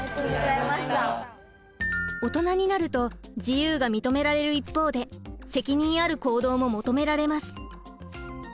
オトナになると自由が認められる一方で責任ある行動も求められます。